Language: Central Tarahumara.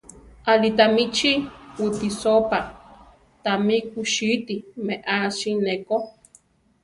Aʼlí tami chi wipisópa; tami kusíti meási neko.